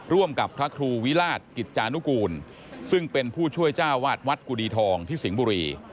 ร่วมกับพระครูวิราชกิจจานุกูลซึ่งเป็นผู้ช่วยเจ้าวาดวัดกุดีทองที่สิงห์บุรี